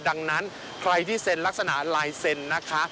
ดังนั้นใครที่เซ็นลักษณะลายเซ็นนะคะ